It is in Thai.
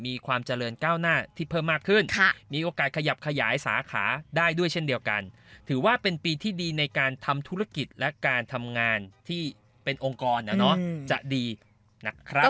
มีความเจริญก้าวหน้าที่เพิ่มมากขึ้นมีโอกาสขยับขยายสาขาได้ด้วยเช่นเดียวกันถือว่าเป็นปีที่ดีในการทำธุรกิจและการทำงานที่เป็นองค์กรนะเนาะจะดีนะครับ